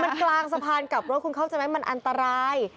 คือมันกลางสะพานกลับรถมันอันตราย